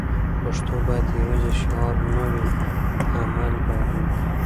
پښتو باید یوازې شعار نه وي؛ عمل باید وي.